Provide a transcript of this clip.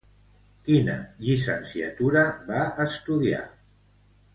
Quina llicenciatura va estudiar?